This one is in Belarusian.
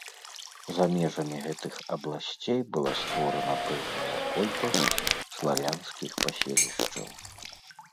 За межамі гэтых абласцей была створана пэўная колькасць славянскіх паселішчаў.